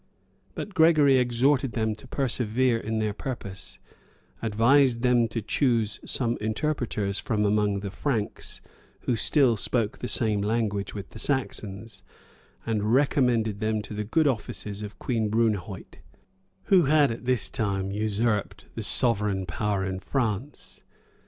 But Gregory exorted them to persevere in their purpose, advised them to choose some interpreters from among the Franks, who still spoke the same language with the Saxons,[*] and recommended them to the good offices of Queen Brunehaut, who had at this time usurped the sovereign power in France.